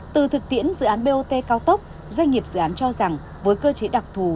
từ thực tiễn dự án bot cao tốc doanh nghiệp dự án cho rằng với cơ chế đặc thù